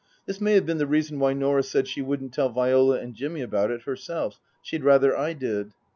This may have been the reason why Norah said she wouldn't tell Viola and Jimmy about it herself ; she'd rather I did.